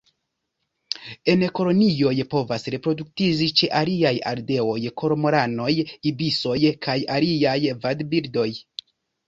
En kolonioj povas reproduktiĝi ĉe aliaj ardeoj, kormoranoj, ibisoj kaj aliaj vadbirdoj.